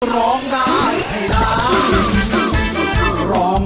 ร้องได้ให้ร้าน